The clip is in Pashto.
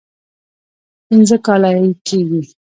پنځه کاله یې کېږي.